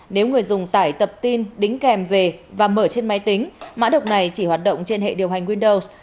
nếu người dùng tải tập tin đính kèm về và mở trên máy tính mã độc này chỉ hoạt động trên hệ điều hành windows